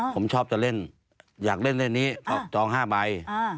ผมชอบจะเล่นอยากเล่นเลขนี้จอง๕ใบ